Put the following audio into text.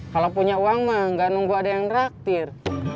kalau punya uang mah gak nunggu ada yang neraktir